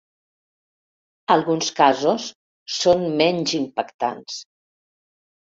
Alguns casos són menys impactants.